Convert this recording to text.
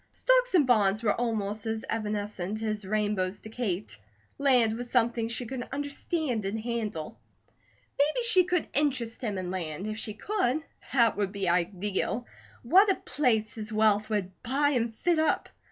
Stocks and bonds were almost as evanescent as rainbows to Kate. Land was something she could understand and handle. Maybe she could interest him in land; if she could, that would be ideal. What a place his wealth would buy and fit up.